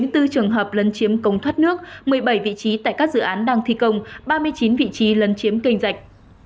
bảy mươi bốn trường hợp lân chiếm công thoát nước một mươi bảy vị trí tại các dự án đang thi công ba mươi chín vị trí lân chiếm kênh rạch